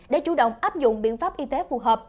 để chủ động áp dụng biện pháp y tế phù hợp